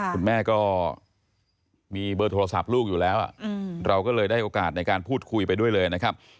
คุณแม่ก็มีเบอร์โทรศัพท์ลูกอยู่แล้วเราก็เลยได้โอกาสในการพูดคุยไปด้วยเลยนะครับ